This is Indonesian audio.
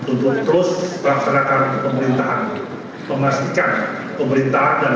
untuk terus memastikan pemerintahan